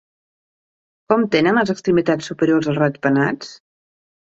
Com tenen les extremitats superiors els ratpenats?